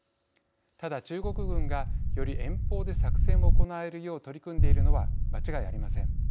ただ中国軍がより遠方で作戦を行えるよう取り組んでいるのは間違いありません。